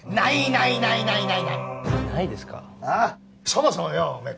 そもそもよお前